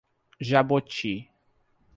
Jaboti